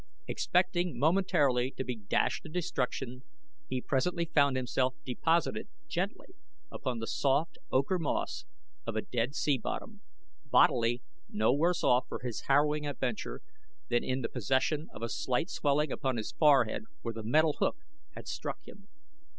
Expecting momentarily to be dashed to destruction he presently found himself deposited gently upon the soft, ochre moss of a dead sea bottom, bodily no worse off for his harrowing adventure than in the possession of a slight swelling upon his forehead where the metal hook had struck him.